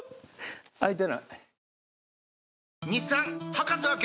開いてない。